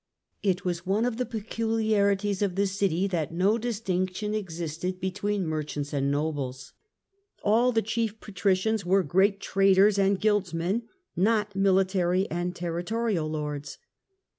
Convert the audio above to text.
It was one of the peculiarities of the city that no distinction existed between merchants and nobles ; all the chief patricians were great traders and guildsmen, not military and territorial lords.